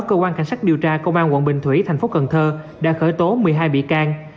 cơ quan cảnh sát điều tra công an quận bình thủy thành phố cần thơ đã khởi tố một mươi hai bị can